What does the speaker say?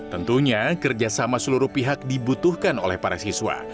tentunya kerjasama seluruh pihak dibutuhkan oleh para siswa